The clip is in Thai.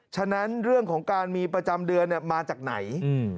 ฉะนั้นเรื่องของการมีประจำเดือนมาจากไหน